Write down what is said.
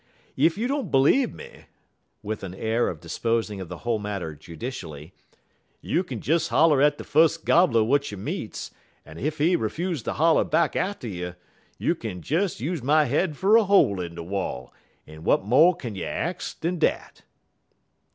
Ef you don't b'leeve me," with an air of disposing of the whole matter judicially, "you kin des holler at de fus' Gobbler w'at you meets, en ef he 'fuse ter holler back atter you, you kin des use my head fer a hole in de wall; en w'at mo' kin you ax dan dat?"